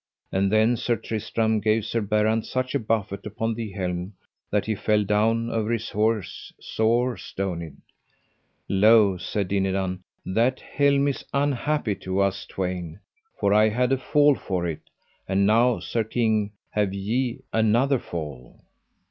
And then Sir Tristram gave Sir Berrant such a buffet upon the helm that he fell down over his horse sore stonied. Lo, said Dinadan, that helm is unhappy to us twain, for I had a fall for it, and now, sir king, have ye another fall.